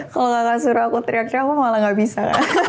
kalau gak suruh aku teriak teriak mah malah gak bisa